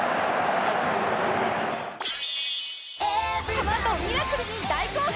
このあとミラクルに大興奮！